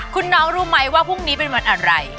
คุณน้องรู้ไหมว่าพรุ่งนี้เป็นวันอะไร